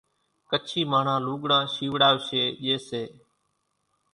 ڪڇي ماڻۿان لوڳڙان شيوڙاوشي ڄي سي،